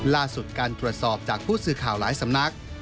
ล่าสุดการตรวจสอบจากผู้สื่อข่าวหลายสำนัก